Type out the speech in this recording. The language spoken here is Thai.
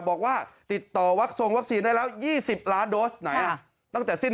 บอกว่าติดต่อวักษิวัคซูงวักษีได้แล้วยี่สิบล้านโดสไหนาตั้งแต่สิ้น